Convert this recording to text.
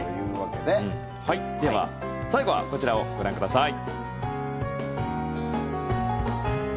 最後はこちらをご覧ください。